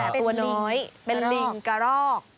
แต่ตัวน้อยเป็นลิงกระรอก